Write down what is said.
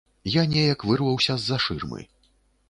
Я неяк вырваўся з-за шырмы.